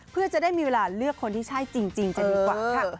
เพื่อจะได้มีเวลาเลือกคนที่ใช่จริงจะดีกว่าค่ะ